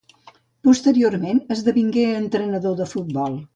Posteriorment esdevingué entrenador de futbol.